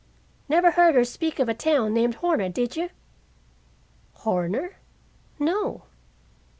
"Never heard her speak of a town named Horner, did you?" "Horner? No."